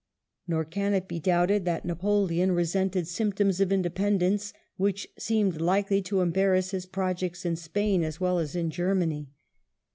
Nor can it be doubted that Napoleon resented symptoms of independence which seemed likely to embarrass his projects in Spain as well as in Germany.